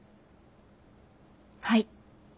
はい。